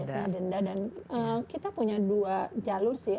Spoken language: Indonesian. dan kita punya dua jalur sih